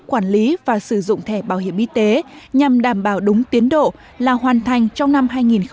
quản lý và sử dụng thẻ bảo hiểm y tế nhằm đảm bảo đúng tiến độ là hoàn thành trong năm hai nghìn hai mươi